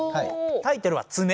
タイトルは「つめ」。